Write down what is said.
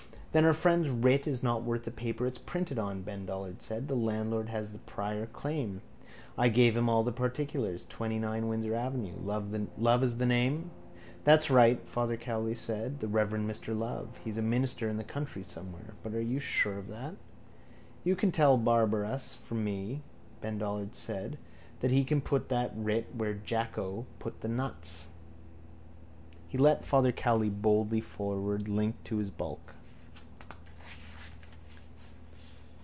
—Then our friend's writ is not worth the paper it's printed on, Ben Dollard said. The landlord has the prior claim. I gave him all the particulars. 29 Windsor avenue. Love is the name? —That's right, Father Cowley said. The reverend Mr Love. He's a minister in the country somewhere. But are you sure of that? —You can tell Barabbas from me, Ben Dollard said, that he can put that writ where Jacko put the nuts. He led Father Cowley boldly forward, linked to his bulk.